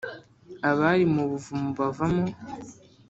abari mu buvumo bavamo